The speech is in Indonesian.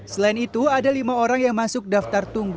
selain itu ada lima orang yang masuk daftar tunggu